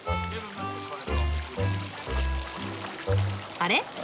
あれ？